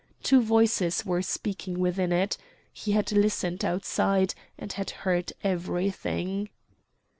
Two voices were speaking within it. He had listened outside and had heard everything.